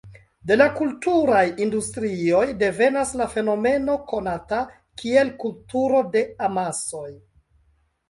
De la kulturaj industrioj devenas la fenomeno konata kiel "kulturo de amasoj".